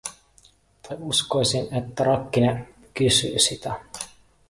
Tai uskoisin, että rakkine kysyy sitä.